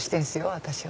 私は。